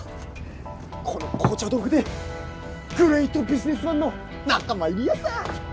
この紅茶豆腐でグレイトビジネスマンの仲間入りヤサ！